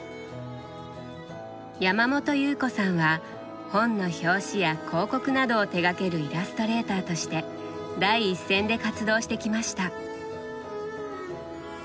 山本祐布子さんは本の表紙や広告などを手がけるイラストレーターとして第一線で活動してきました。